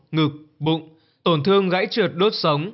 ngực bụng tổn thương gãy trượt đốt sống